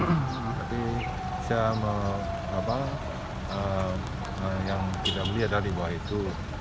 tapi saya yang tidak beli adalah di bawah itu